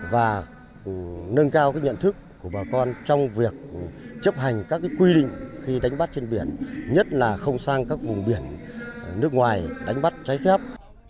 và nâng cao nhận thức của bà con trong việc chấp hành các quy định khi đánh bắt trên biển nhất là không sang các vùng biển nước ngoài đánh bắt trái phép